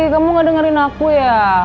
kamu gak dengerin aku ya